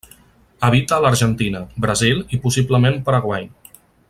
Habita a l'Argentina, Brasil i possiblement Paraguai.